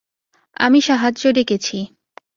আমি সাহায্য ডেকেছি।